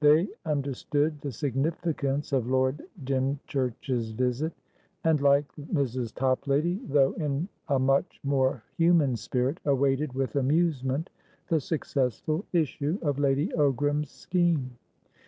They understood the significance of Lord Dymchurch's visit, and, like Mrs. Toplady, though in a much more human spirit, awaited with amusement the successful issue of Lady Ogram's scheme.